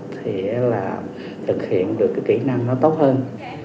thì là thực hiện được cái kỹ năng nó tốt hơn